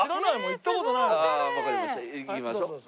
行きましょう。